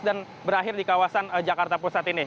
dan berakhir di kawasan jakarta pusat ini